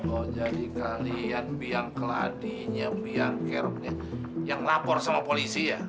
oh jadi kalian biang keladinya biang keroknya yang lapor sama polisi ya